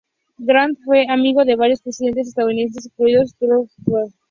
Grant fue gran amigo de varios presidentes estadounidenses, incluidos Theodore Roosevelt y Herbert Hoover.